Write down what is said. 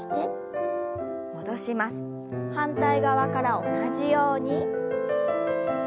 反対側から同じように。